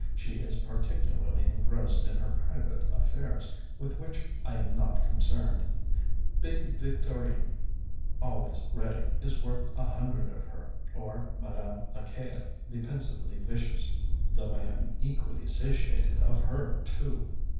She is particularly engrossed in her private affairs, with which I am not concerned. Big Victorine, always ready, is worth a hundred of her; or Madame Lacaille, the pensively vicious; though I am equally satiated of her, too.